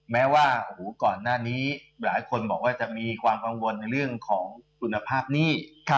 แม้ว่าก่อนหน้านี้หลายคนบอกว่าจะมีความกังวลในเรื่องของคุณภาพหนี้